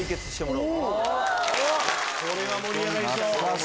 これは盛り上がりそう。